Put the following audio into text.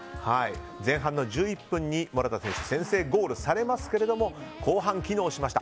前半１１分にモラタ選手に先制ゴールされますが後半、機能しました。